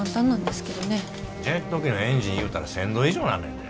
ジェット機のエンジンいうたら１，０００度以上になんねんで。